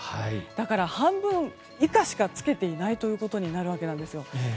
だから、半分以下しかつけていないということになるわけです。